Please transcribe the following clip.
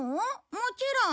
もちろん！